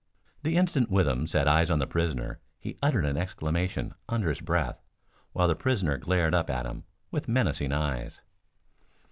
The instant Withem set eyes on the prisoner he uttered an exclamation under his breath, while the prisoner glared up at him with menacing eyes.